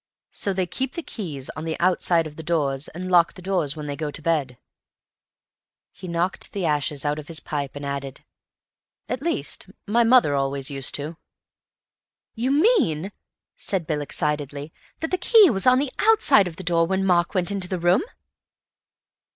So they keep the keys on the _out_side of the doors, and lock the doors when they go to bed." He knocked the ashes out of his pipe, and added, "At least, my mother always used to." "You mean," said Bill excitedly, "that the key was on the outside of the door when Mark went into the room?"